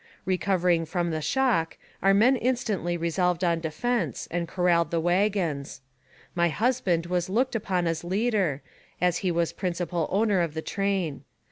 Recovering from the shock, our men instantly resolved on defense, and corralled the wagons. My husband was looked upon as leader, as he was principal owner of the train.